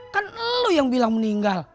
kan lo yang bilang meninggal